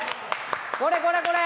これこれこれ！